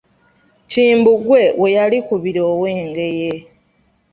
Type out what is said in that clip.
Kimbugwe we yali Kubira ow'Engeye.